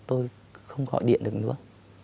tôi không gọi điện được nữa